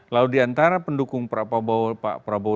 lalu di antara pendukung pak prabowo